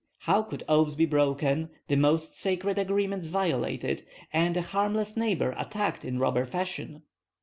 How could oaths be broken, the most sacred agreements violated, and a harmless neighbor attacked in robber fashion?